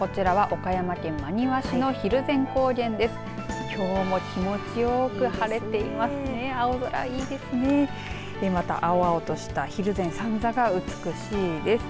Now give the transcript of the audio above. また、青々とした蒜山三座が美しいです。